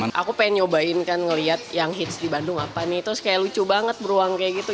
aku pengen nyobain kan ngelihat yang hits di bandung apa nih terus kayak lucu banget beruang kayak gitu